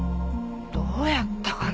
どうやったかな？